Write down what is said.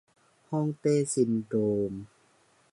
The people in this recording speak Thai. ฮ่องเต้ซินโดรม